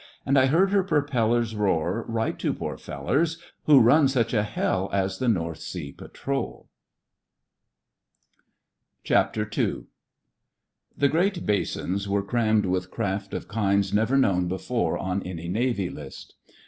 And I heard her propellers roar: *' Write to poor fellers Who run such a Hell as the North Sea Patrol!" II PATROLS The great basins were crammed with craft of kinds never known before on any Navy List.